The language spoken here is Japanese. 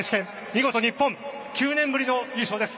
見事、日本９年ぶりの優勝です。